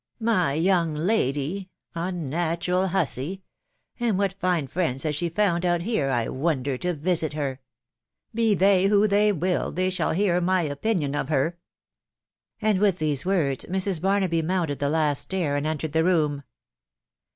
" My young lady! .... unnatural hussy !.... And what fine friends has she found out here, I wonder, to visit her ?.... Be they who they will, they shall hear my opinion of her." And with these words, Mrs. Barnaby mounted the last stair, and entered the room.